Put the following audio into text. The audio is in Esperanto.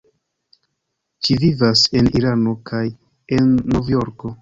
Ŝi vivas en Irano kaj en Novjorko.